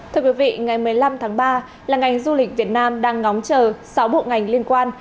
thưa quý vị ngày một mươi năm tháng ba là ngành du lịch việt nam đang ngóng chờ sáu bộ ngành liên quan